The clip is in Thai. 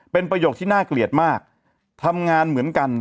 เป็นประโยคที่น่าเกลียดมากทำงานเหมือนกัน